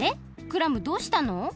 クラムどうしたの？